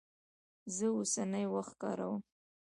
زه اوسنی وخت کاروم.